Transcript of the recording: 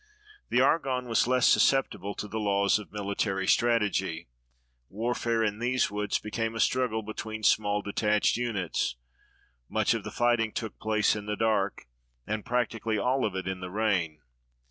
The Argonne was less susceptible to the laws of military strategy. Warfare in these woods became a struggle between small detached units. Much of the fighting took place in the dark and practically all of it in the rain.